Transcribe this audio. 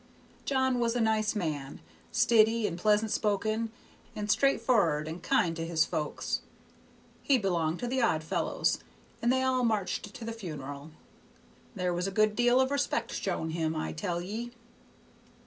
John was a nice man; stiddy and pleasant spoken and straightforrard and kind to his folks. He belonged to the Odd Fellows, and they all marched to the funeral. There was a good deal of respect shown him, I tell ye.